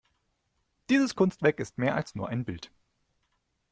Dieses Kunstwerk ist mehr als nur ein Bild.